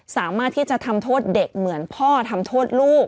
สามารถที่จะทำโทษเด็กเหมือนพ่อทำโทษลูก